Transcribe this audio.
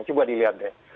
coba dilihat deh